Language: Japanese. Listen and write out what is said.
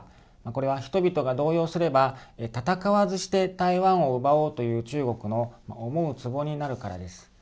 これは人々が動揺すれば戦わずして台湾を奪おうという中国の思うつぼになるからです。